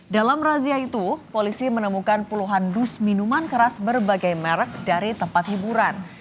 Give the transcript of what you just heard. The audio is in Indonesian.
dalam razia itu polisi menemukan puluhan dus minuman keras berbagai merek dari tempat hiburan